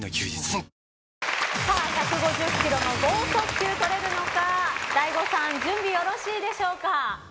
あふっ１５０キロの豪速球とれるのか大悟さん準備よろしいでしょうか。